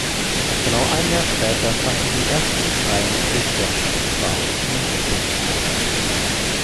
Genau ein Jahr später fanden die ersten freien Präsidentschaftswahlen in Russland statt.